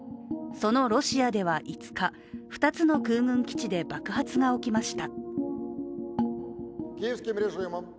そのロシアでは５日、２つの空軍基地で爆発が起きました。